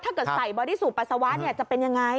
ถ้าเกิดใส่บอดี้สูตรปัสสาวะจะเป็นยังไง